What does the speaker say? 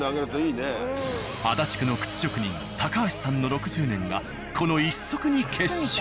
足立区の靴職人高橋さんの６０年がこの１足に結集。